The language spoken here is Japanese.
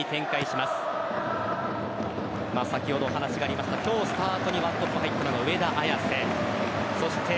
先ほどお話がありました今日、スタートに１トップ入ったのが上田綺世。